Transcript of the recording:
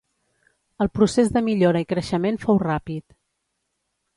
El procés de millora i creixement fou ràpid.